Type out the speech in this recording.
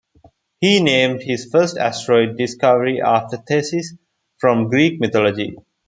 He named his first asteroid discovery after Thetis from Greek mythology.